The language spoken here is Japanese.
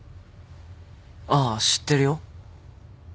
ああ知ってるよ。